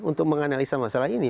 untuk menganalisa masalah ini